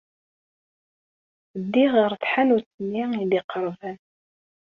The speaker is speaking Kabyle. Ddiɣ ɣer tḥanut-nni ay d-iqerben.